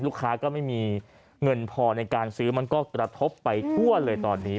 ลูกค้าก็ไม่มีเงินพอในการซื้อมันก็กระทบไปทั่วเลยตอนนี้